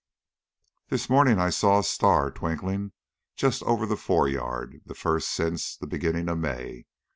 This morning I saw a star twinkling just over the fore yard, the first since the beginning of May.